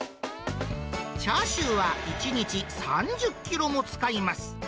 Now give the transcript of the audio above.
チャーシューは１日３０キロも使います。